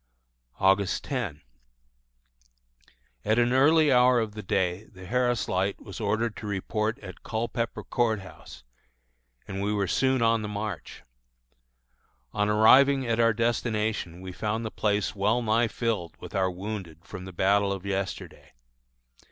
August 10. At an early hour of the day the Harris Light was ordered to report at Culpepper Court House, and we were soon on the march. On arriving at our destination we found the place well nigh filled with our wounded from the battle of yesterday.